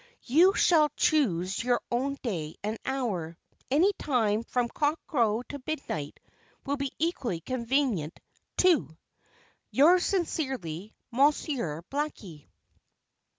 You shall choose your own day and hour any time from cockcrow to midnight will be equally convenient to "Yours most sincerely," "MONSIEUR BLACKIE."